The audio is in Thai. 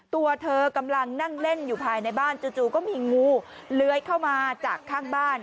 ตัวเธอกำลังนั่งเล่นอยู่ภายในบ้านจู่ก็มีงูเลื้อยเข้ามาจากข้างบ้าน